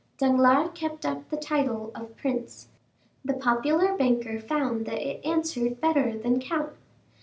Danglars kept up the title of prince. The popular banker found that it answered better than count.